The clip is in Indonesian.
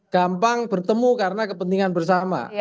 gampang bertemu karena kepentingan bersama